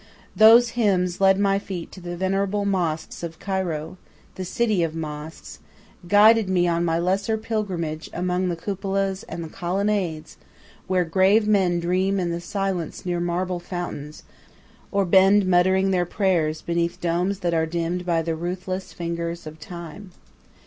Those hymns led my feet to the venerable mosques of Cairo, the city of mosques, guided me on my lesser pilgrimage among the cupolas and the colonnades, where grave men dream in the silence near marble fountains, or bend muttering their prayers beneath domes that are dimmed by the ruthless fingers of Time.